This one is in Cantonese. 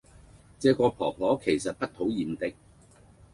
不過這婆婆其實不討厭的